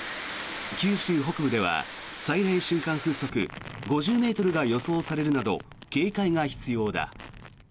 九州北部では最大瞬間風速５０ｍが予想されるなど警戒が必要だ。